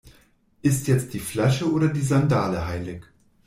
Ist jetzt die Flasche oder die Sandale heilig?